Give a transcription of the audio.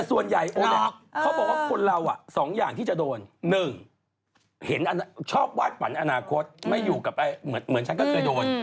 ส่วนใหญ่เขาบอกว่าคนเรา๒อย่างที่จะโดน๑เห็นชอบวาดฝันอนาคตไม่อยู่กับเหมือนฉันก็เคยโดน